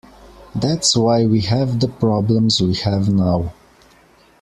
That's why we have the problems we have now.